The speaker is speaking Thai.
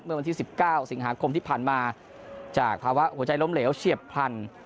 เมื่อวันที่๑๙สิงหาคมที่ผ่านมาจากภาวะหัวใจล้มเหลวเฉียบพลัน